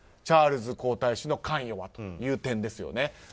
チャールズ皇太子の関与はという点ですよね。